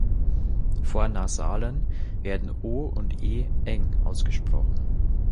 Vor Nasalen werden "o" und "e" eng ausgesprochen.